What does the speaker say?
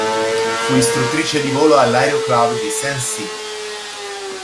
Fu istruttrice di volo all'aeroclub di Saint-Cyr.